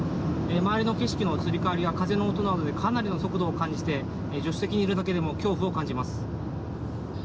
前の景色の移り変わりや風の音などでかなりの速度を感じて助手席にいるだけでも恐怖を感じます。